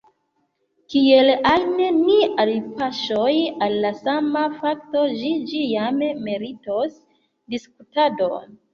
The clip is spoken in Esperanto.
Kiel ajn ni alpaŝos al la sama fakto, ĝi ĉiam meritos diskutadon.